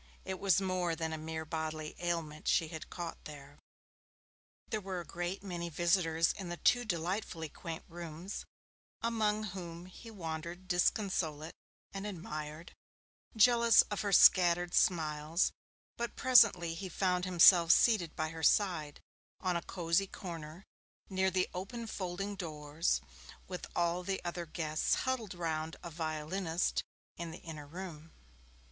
it was more than a mere bodily ailment she had caught there. There were a great many visitors in the two delightfully quaint rooms, among whom he wandered disconsolate and admired, jealous of her scattered smiles, but presently he found himself seated by her side on a 'cosy corner' near the open folding doors, with all the other guests huddled round a violinist in the inner room.